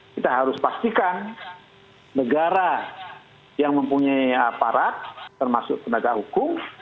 kita harus pastikan negara yang mempunyai aparat termasuk penegak hukum